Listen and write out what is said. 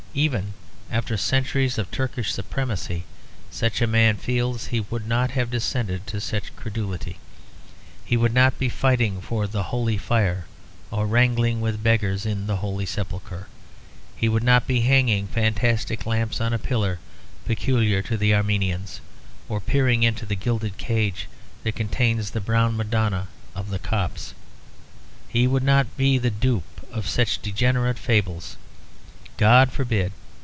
Even after centuries of Turkish supremacy, such a man feels, he would not have descended to such a credulity. He would not be fighting for the Holy Fire or wrangling with beggars in the Holy Sepulchre. He would not be hanging fantastic lamps on a pillar peculiar to the Armenians, or peering into the gilded cage that contains the brown Madonna of the Copts. He would not be the dupe of such degenerate fables; God forbid.